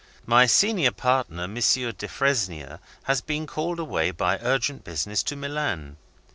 My senior partner, M. Defresnier, has been called away, by urgent business, to Milan.